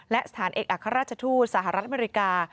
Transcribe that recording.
และสถานเอกอัครราชทูตสหรัฐอเมริกา